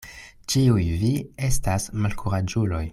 Ĉiuj vi estas malkuraĝuloj.